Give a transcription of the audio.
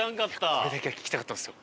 これだけは聞きたかったんですよ。